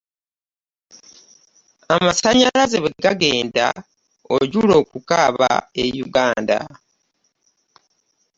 Amasanyalaze bwegagenda, ojula okukaaba e Uganda.